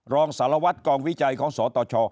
รองสารวัตรกองวิจัยของสตช